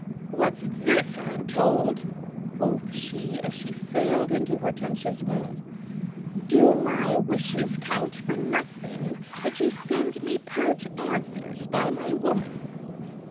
"What's this I am told?" quoth she, as she sailed into Hortensia's room. "Do my wishes count for nothing, that you send me pert answers by my woman?"